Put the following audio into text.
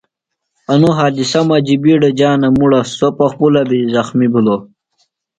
انوۡ حادِثہ مجیۡ بِیڈہ جانہ مُڑہ۔ سوۡ پخپُلہ بیۡ زخمیۡ بِھلوۡ۔